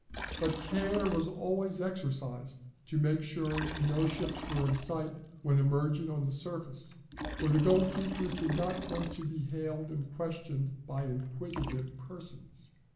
But care was always exercised to make sure no ships were in sight when emerging on the surface, for the gold seekers did not want to be hailed and questioned by inquisitive persons.